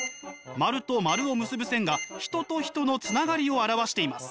丸と丸を結ぶ線が人と人のつながりを表しています。